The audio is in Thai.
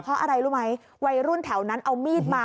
เพราะอะไรรู้ไหมวัยรุ่นแถวนั้นเอามีดมา